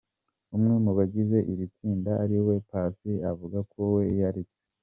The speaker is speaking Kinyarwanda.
Umwe mu bagize iri tsinda ari we Paccy avuga ko we yaretse.